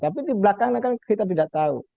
tapi di belakangnya kan kita tidak tahu